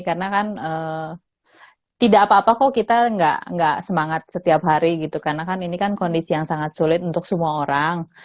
karena kan tidak apa apa kok kita tidak semangat setiap hari karena ini kan kondisi yang sangat sulit untuk semua orang